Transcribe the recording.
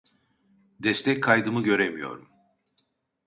Destek kaydımı göremiyorun